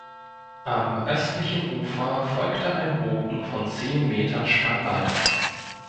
Am östlichen Ufer folgte ein Bogen von zehn Metern Spannweite.